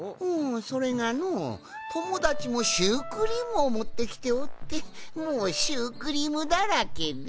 それがのともだちもシュークリームをもってきておってもうシュークリームだらけで。